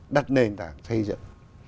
đặt nền tảng xây dựng